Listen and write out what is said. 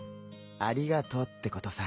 ありがとうってことさ。